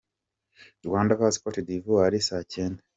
Rwanda vs Cote d’Ivoire: saa cyenda .